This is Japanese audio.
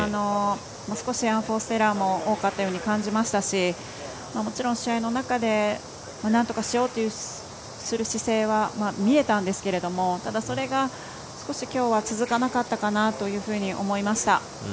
少しアンフォーストエラーも多かったと思いますしもちろん試合の中でなんとかしようという姿勢は見えたんですけれどもそれが、少しきょうは続かなかったかなというふうに思いました。